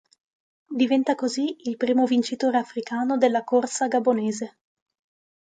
Diventa così il primo vincitore africano della corsa gabonese.